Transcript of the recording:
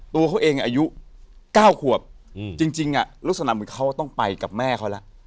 ตัวเขาเองอายุเก้าขวบอืมจริงจริงอ่ะลูกสนามว่าเขาต้องไปกับแม่เขาแล้ว